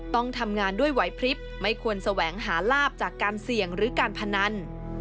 ต้องทำงานด้วยไหวพลิบไม่ควรแสวงหาลาบจากการเสี่ยงหรือการพนัน